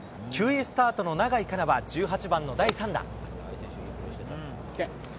９位スタートの永井かなは、１８番の第３打。